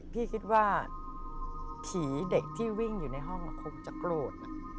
พี่คิดว่าผีเด็กที่วิ่งอยู่ในห้องคงจะโกรธ